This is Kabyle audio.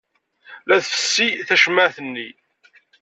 La tfessi tcemmaɛt-nni.